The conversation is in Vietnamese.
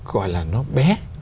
gọi là nó bé